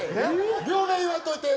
病名言わんといて。